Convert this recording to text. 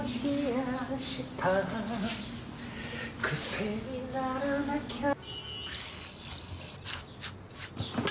「癖にならなきゃ」